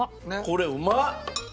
これうまっ！